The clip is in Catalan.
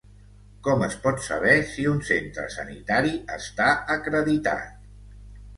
Com es pot saber si un centre sanitari està acreditat?